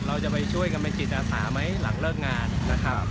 เราจะไปช่วยกันเป็นจิตอาสาไหมหลังเลิกงานนะครับ